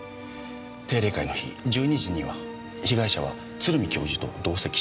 定例会の日１２時には被害者は鶴見教授と同席していました。